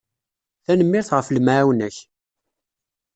Tanemmirt ɣef lemɛawna-k.